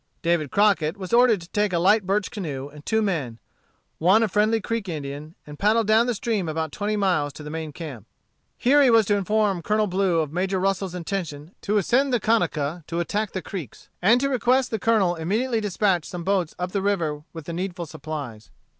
David Crockett was ordered to take a light birch canoe, and two men, one a friendly Creek Indian, and paddle down the stream about twenty miles to the main camp. Here he was to inform Colonel Blue of Major Russel's intention to ascend the Conecuh to attack the Creeks, and to request the Colonel immediately to dispatch some boats up the river with the needful supplies.